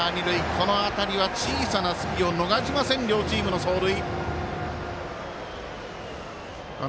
この辺りは、小さな隙を逃しません、両チームの走塁。